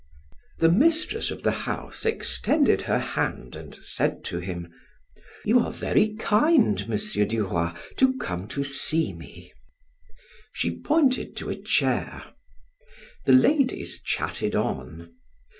The mistress of the house extended her hand and said to him: "You are very kind, M. Duroy, to come to see me." She pointed to a chair. The ladies chatted on.